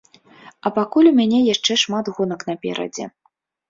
А пакуль у мяне яшчэ шмат гонак наперадзе.